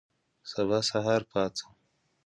سبا سهار پاڅم